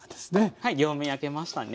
はい両面焼けましたね。